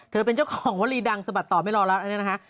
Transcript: เป็นเจ้าของวลีดังสะบัดต่อไม่รอแล้วอันนี้นะคะ